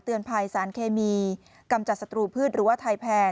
เตือนภายสารเคมีกำจัดสตรูพืชหรือว่าไทแพน